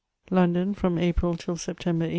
London, from April till September, 1822.